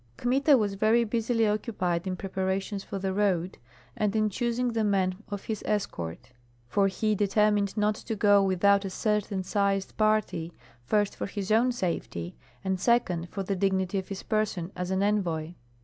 Kmita was very busily occupied in preparations for the road, and in choosing the men of his escort; for he determined not to go without a certain sized party, first for his own safety, and second for the dignity of his person as an envoy.